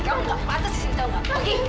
kamu gak patah di sini